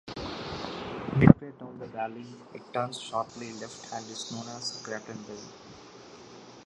Midway down the valley it turns sharply left and is known as Gratton Dale.